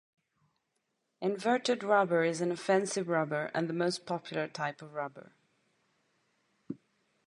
Inverted rubber is an offensive rubber and the most popular type of rubber.